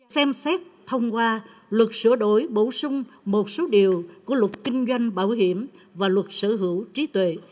xem xét thông qua luật sửa đổi bổ sung một số điều của luật kinh doanh bảo hiểm và luật sở hữu trí tuệ